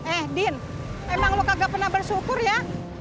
eh din emang lu kagak pernah bersyukur ya